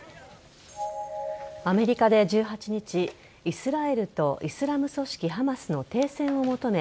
アメリカで１８日イスラエルとイスラム組織・ハマスの停戦を求め